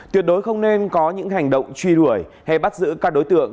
tuyệt đối không nên có những hành động truy đuổi hay bắt giữ các đối tượng